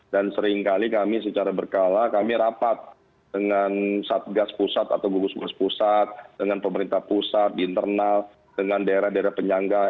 dan sering kali kami secara berkala kami rapat dengan satgas pusat atau gugus tugas pusat dengan pemerintah pusat di internal dengan daerah daerah penyangga